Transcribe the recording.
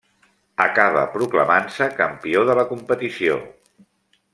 Acaba proclamant-se campió de la competició.